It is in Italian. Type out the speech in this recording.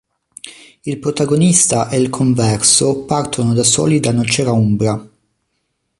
Il protagonista e il Converso partono da soli da Nocera Umbra.